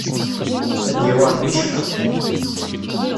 Ad d-yawi Rebbi ccfa!